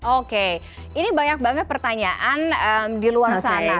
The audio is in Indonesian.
oke ini banyak banget pertanyaan di luar sana